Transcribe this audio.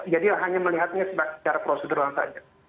jadi hanya melihatnya secara prosedural saja